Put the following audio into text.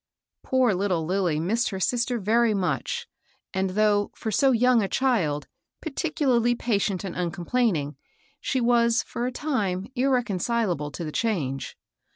Poor little Lilly missed her sister very much, and though, for so young a child, particularly patient and uncomplaining, she was, for a time, irreconcilable to the change.